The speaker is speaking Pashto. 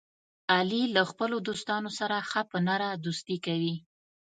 علي له خپلو دوستانو سره ښه په نره دوستي کوي.